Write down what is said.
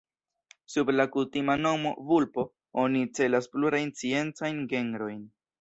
Sub la kutima nomo "vulpo" oni celas plurajn sciencajn genrojn.